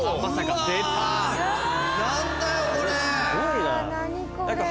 何だよこれ！